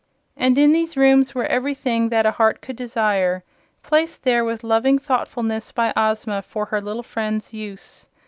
And in these rooms were everything that heart could desire, placed there with loving thoughtfulness by Ozma for her little friend's use.